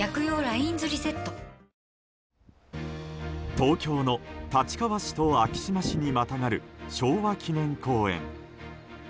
東京の立川市と昭島市にまたがる昭和記念公園。